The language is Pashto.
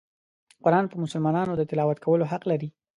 قرآن په مسلمانانو د تلاوت کولو حق لري.